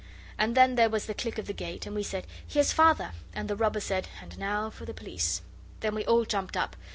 And then there was the click of the gate, and we said, 'Here's Father,' and the robber said, 'And now for the police.' Then we all jumped up.